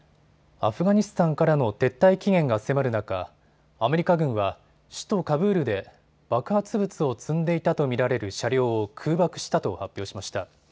アフガニスタンからの撤退期限が迫る中、アメリカ軍は首都カブールで爆発物を積んでいたと見られる車両を空爆したと発表しました。